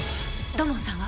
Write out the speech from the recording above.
土門さんは？